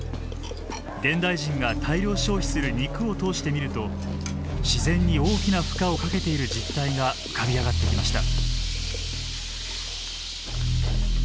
現代人が大量消費する肉を通して見ると自然に大きな負荷をかけている実態が浮かび上がってきました。